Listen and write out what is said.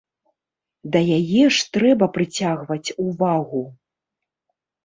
Да яе ж трэба прыцягваць увагу.